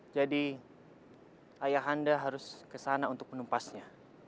jadi ayah anda harus kesana untuk menumpasnya